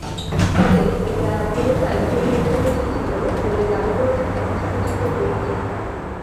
তবে এটা পুরোটাই ভুল বোঝাবুঝি ছিল বলে দাবি করছেন সংশ্লিষ্ট ব্যক্তিরা।